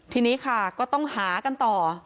ทีนี้ค่ะก็ต้องหากันต่อ